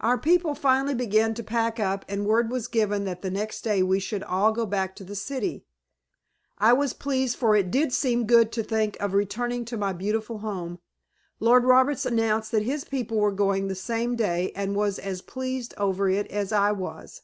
Our people finally began to pack up and word was given that the next day we should all go back to the city. I was pleased for it did seem good to think of returning to my beautiful home. Lord Roberts announced that his people were going the same day, and was as pleased over it as I was.